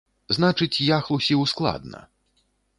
Значыць, я хлусіў складна.